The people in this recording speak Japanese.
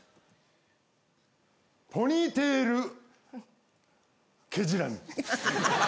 ポニーテール毛じらみ。